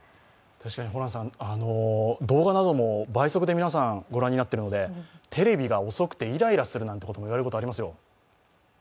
確かに動画なども倍速で皆さんご覧になっているのでテレビが遅くてイライラするなんて言われることもありますよ。